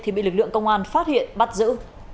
thì bị lực lượng công an phát hiện bắt giữ